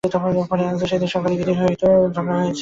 মনে আছে সেদিন সকলে দিদির সহিত তাহার ঝগড়া হইয়াছিল।